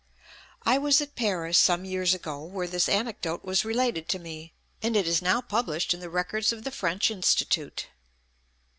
I was at Paris some years ago, where this anecdote was related to me, and it is now published in the records of the French Institute.